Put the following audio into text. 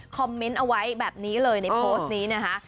คอมเมนต์เอาไว้แบบนี้เลยในโพสต์นี้นะคะ